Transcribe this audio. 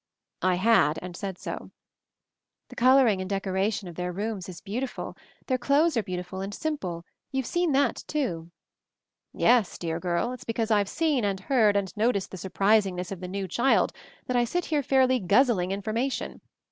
I had, and said so. "The coloring and decoration of their rooms is beautiful — their clothes are beauti ful — and simple — you've seen that, too?" "Yes, dear girl. It's because I've seen — and heard— and noticed the surprisingness of the New Child that I sit here fairly guz zling information.